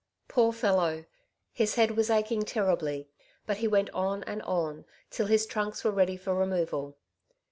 Poor fellow ! his head was aching terribly ; but he went on and on, till his trunks were ready for re moval.